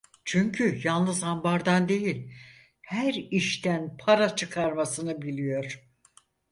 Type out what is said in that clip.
Çünkü yalnız ambardan değil, her işten para çıkarmasını biliyor.